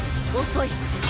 遅い。